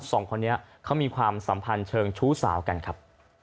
สองคนนี้เขามีความสัมพันธ์เชิงชู้สาวกันครับ